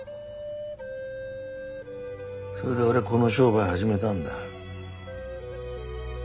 それで俺はこの商売始めたんだ。